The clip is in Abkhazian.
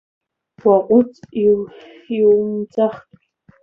Уаҟәыҵ, иумуӡахт!